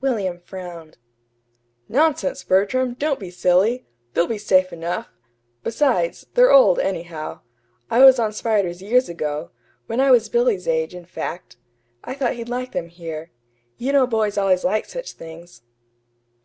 William frowned. "Nonsense, Bertram, don't be silly! They'll be safe enough. Besides, they're old, anyhow. I was on spiders years ago when I was Billy's age, in fact. I thought he'd like them here. You know boys always like such things."